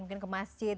mungkin ke masjid